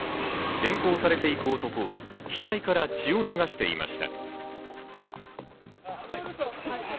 連行されていく男は、額から血を流していました。